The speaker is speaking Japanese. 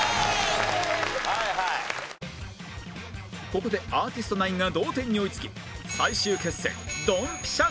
ここでアーティストナインが同点に追いつき最終決戦ドンピシャ